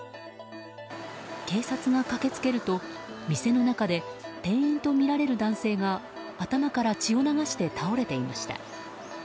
警察が駆けつけると、店の中で店員とみられる男性が頭から血を流して倒れていました。